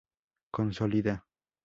consolida